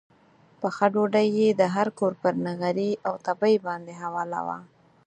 پخه ډوډۍ یې د هر کور پر نغري او تبۍ باندې حواله وه.